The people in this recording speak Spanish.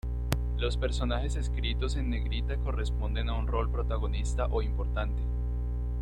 Los personajes escritos en negrita corresponden a un rol protagonista o importante.